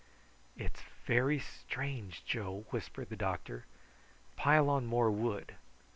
"It's very strange, Joe," whispered the doctor. "Pile on more wood."